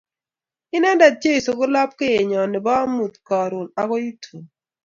Inendet Jeso ko lapkeyenyo nebo amut, karon akoi tun